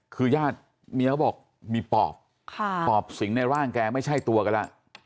คือญาติเมียเขาบอกมีปอบปอบสิงในร่างแกไม่ใช่ตัวกันแล้ว